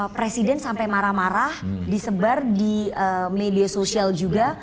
presiden sampai marah marah disebar di media sosial juga